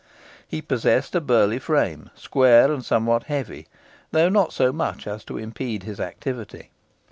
He possessed a burly frame, square, and somewhat heavy, though not so much so as to impede his activity.